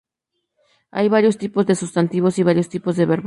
Hay varios tipos de "sustantivos" y varios tipos de "verbos".